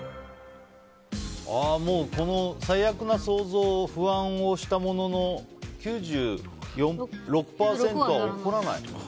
この最悪な想像不安をしたものの９６％は起こらないと。